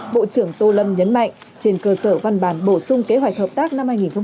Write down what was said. bộ trưởng tô lâm nhấn mạnh trên cơ sở văn bản bổ sung kế hoạch hợp tác năm hai nghìn hai mươi bốn